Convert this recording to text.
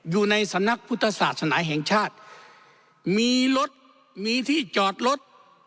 อยู่ในสำนักพุทธศาสนาแห่งชาติมีรถมีที่จอดรถ